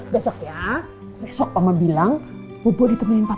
besok ya besok mama bilang bobo ditemani papa